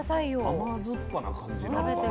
甘酸っぱな感じなのかな？